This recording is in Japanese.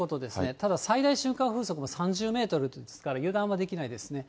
ただ、最大瞬間風速も３０メートルですから、油断はできないですね。